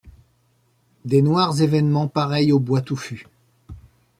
Des noirs événements pareils aux bois touffus